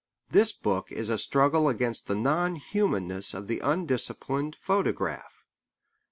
This book is a struggle against the non humanness of the undisciplined photograph.